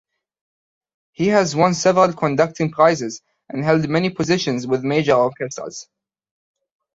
He has won several conducting prizes and held many positions with major orchestras.